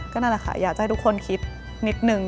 นั่นแหละค่ะอยากจะให้ทุกคนคิดนิดนึง